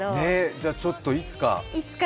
じゃあ、ちょっといつか。